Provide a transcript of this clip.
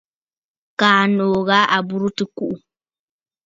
Kaa nòò ghà à burə tɨ̀ kùꞌù.